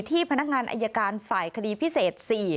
พนักงานอายการฝ่ายคดีพิเศษ๔